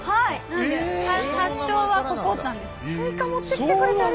なので発祥はここなんです。